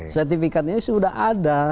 sertifikat ini sudah ada